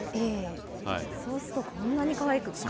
ええそうするとこんなにかわいく。